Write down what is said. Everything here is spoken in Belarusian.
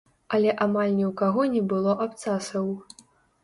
Але амаль ні ў каго не было абцасаў!